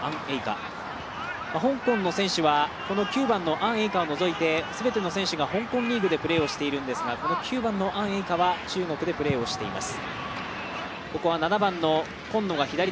香港の選手はこの９番のアン・エイカを除いて、全ての選手が香港リーグでプレーしているんですが９番のアン・エイカは中国でプレーをしています。